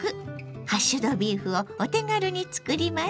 ハッシュドビーフをお手軽に作ります。